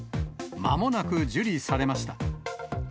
まもなく受理されました。